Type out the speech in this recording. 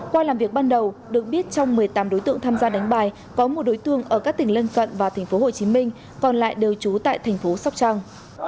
qua làm việc ban đầu được biết trong một mươi tám đối tượng tham gia đánh bài có một đối tương ở các tỉnh lân cận và thành phố hồ chí minh còn lại đều trú tại thành phố sóc trăng